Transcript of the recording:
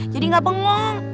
jadi gak bengong